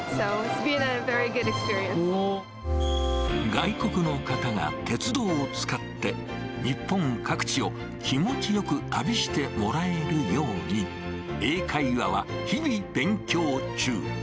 外国の方が、鉄道を使って、日本各地を気持ちよく旅してもらえるように、英会話は日々勉強中。